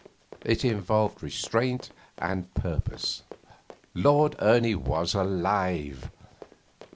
It involved restraint and purpose. Lord Ernie was alive.